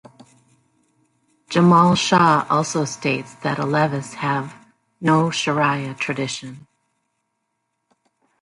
Jamal Shah also states that Alevis have "no Shariah tradition".